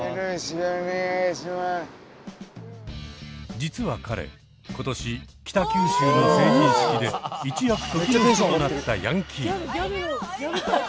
実は彼今年北九州の成人式で一躍時の人となったヤンキー。